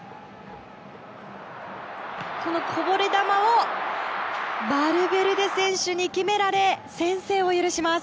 このこぼれ球をバルベルデ選手に決められ先制を許します。